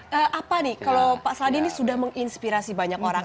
dan apa nih kalau pak sladi ini sudah menginspirasi banyak orang